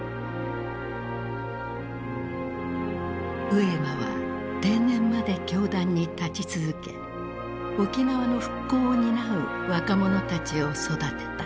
上間は定年まで教壇に立ち続け沖縄の復興を担う若者たちを育てた。